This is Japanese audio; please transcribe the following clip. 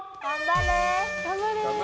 頑張れ！